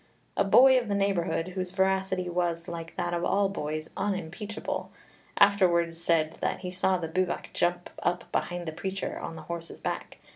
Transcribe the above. A boy of the neighbourhood, whose veracity was, like that of all boys, unimpeachable, afterwards said that he saw the Bwbach jump up behind the preacher, on the horse's back.